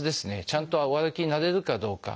ちゃんとお歩きになれるかどうか。